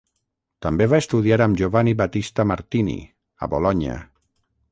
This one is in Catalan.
També va estudiar amb Giovanni Battista Martini, a Bolonya.